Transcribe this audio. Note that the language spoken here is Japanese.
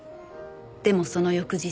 でもその翌日。